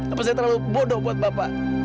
apa saya terlalu bodoh buat bapak